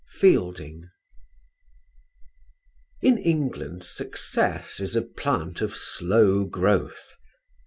FIELDING. In England success is a plant of slow growth.